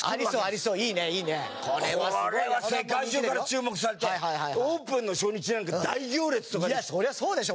これは世界中から注目されてオープンの初日なんか大行列とかですよ。